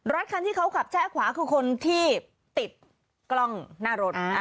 รถคันที่เขาขับแช่ขวาคือคนที่ติดกล้องหน้ารถ